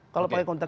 kalau pakai konteks